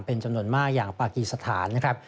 เป็นจำนวนมากอย่างปากีสถานนะครับ